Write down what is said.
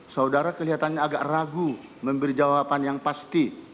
saudara kelihatannya agak ragu memberi jawaban yang pasti